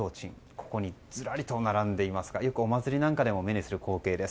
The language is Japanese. ここにずらりと並んでいますがよくお祭りなんかでも目にする光景です。